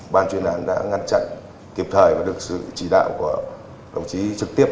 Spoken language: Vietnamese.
ban chuyên án đã ngăn chặn kịp thời và được sự chỉ đạo của đồng chí trực tiếp